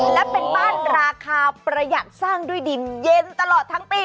และเป็นบ้านราคาประหยัดสร้างด้วยดินเย็นตลอดทั้งปี